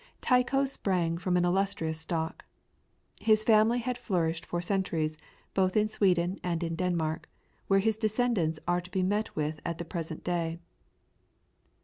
Tycho sprang from an illustrious stock. His family had flourished for centuries, both in Sweden and in Denmark, where his descendants are to be met with at the present day.